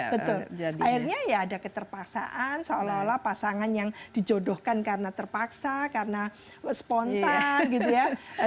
betul akhirnya ya ada keterpaksaan seolah olah pasangan yang dijodohkan karena terpaksa karena spontan gitu ya